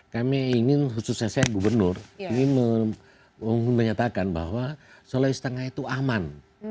kami ingin khususnya saya gubernur ingin menyatakan bahwa sulawesi tengah itu aman